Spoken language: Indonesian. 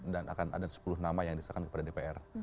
dan akan ada sepuluh nama yang diserahkan kepada dpr